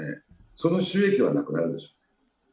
その収益はなくなるでしょうね。